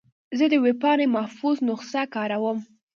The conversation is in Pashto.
زه د ویب پاڼې محفوظ نسخه کاروم.